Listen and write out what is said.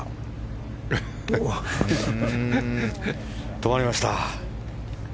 止まりました。